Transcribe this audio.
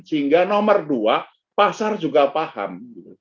sehingga nomor dua pasar juga paham